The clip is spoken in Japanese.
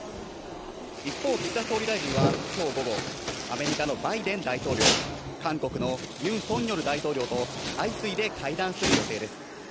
一方、岸田総理大臣は今日午後、アメリカのバイデン大統領、韓国のユン・ソンニョル大統領と相次いで会談する予定です。